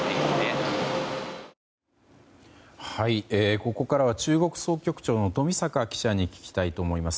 ここからは中国総局長の冨坂記者に聞きたいと思います。